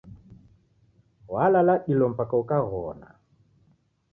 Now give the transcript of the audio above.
Walala dilo mpaka ukaghona.